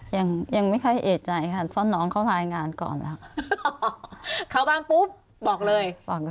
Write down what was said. ยังยังไม่ค่อยเอกใจค่ะเพราะน้องเขารายงานก่อนแล้วเข้าบ้านปุ๊บบอกเลยบอกเลย